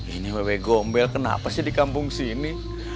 ini bebek gombel kenapa sih di kampung sini